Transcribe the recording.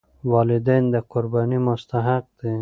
والدین د قربانۍ مستحق دي.